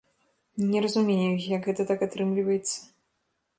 Не разумею, як гэта так атрымліваецца.